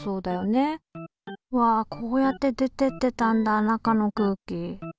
わこうやって出てってたんだ中の空気。